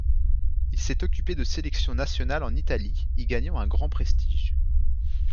Il s'est occupé de sélection nationale en Italie, y gagnant un grand prestige.